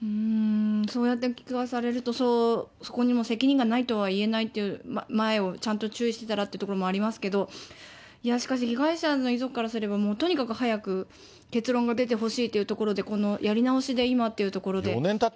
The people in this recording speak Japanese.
そうやって聞かされると、そこにも責任がないとはいえないと、前をちゃんと注意してたらというところもありますけど、しかし被害者の遺族からしたら、もうとにかく早く結論が出てほしいというところで、やり直しで今というところで。